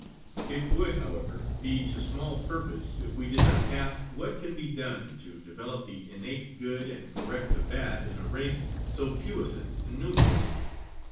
It would, however, be to small purpose if we did not ask what can be done to develop the innate good and correct the bad in a race so puissant and numerous?